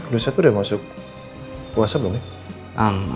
lusa itu udah masuk puasa belum ya